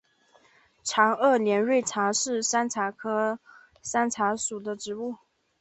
长萼连蕊茶是山茶科山茶属的植物。